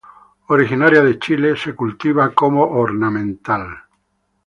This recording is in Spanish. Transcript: Originaria de Chile, se la cultiva como ornamental.